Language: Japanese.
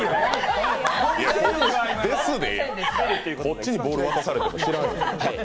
こっちにボール渡されても知らんよ。